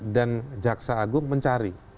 dan jaksa agung mencari